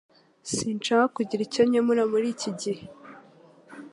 Sinshaka kugira icyo nkemura muri iki gihe